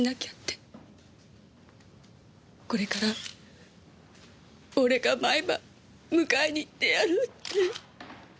「これから俺が毎晩迎えに行ってやる」って。